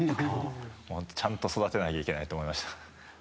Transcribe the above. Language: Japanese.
ちゃんと育てなきゃいけないと思いました。